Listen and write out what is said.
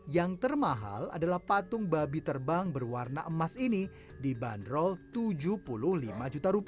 yang termahal adalah patung babi terbang berwarna emas ini dibanderol rp tujuh puluh lima juta